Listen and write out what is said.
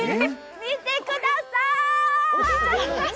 見てください！